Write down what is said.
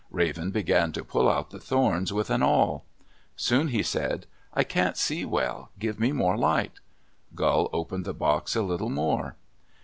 Raven began to pull out the thorns with an awl. Soon he said, "I can't see well. Give me more light." Gull opened the box a little more.